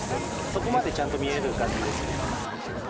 底までちゃんと見える感じですね。